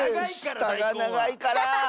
したがながいから。